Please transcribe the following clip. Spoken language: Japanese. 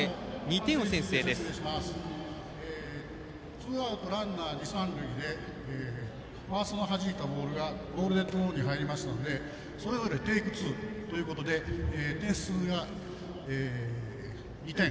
ツーアウトランナー、二塁三塁でファーストのはじいたボールがボールデッドゾーンに入りましたのでそれぞれ、テイク２ということで点数が２点。